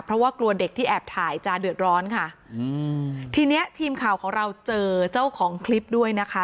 เพราะว่ากลัวเด็กที่แอบถ่ายจะเดือดร้อนค่ะอืมทีเนี้ยทีมข่าวของเราเจอเจ้าของคลิปด้วยนะคะ